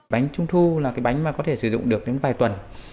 bánh trung thu là cái bánh mà có thể sử dụng được đến vài tuần